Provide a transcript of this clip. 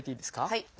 はい。